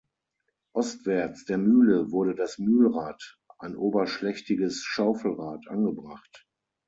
Ostwärts der Mühle wurde das Mühlrad, ein oberschlächtiges Schaufelrad, angebracht.